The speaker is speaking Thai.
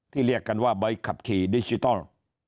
เรียกกันว่าใบขับขี่ดิจิทัล